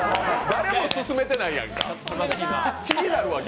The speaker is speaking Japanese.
誰も勧めてないやんか。